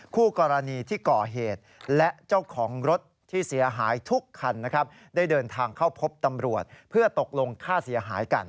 มีคำนี้จริงนะครับโอ้โหสาหร่าดเนี้ย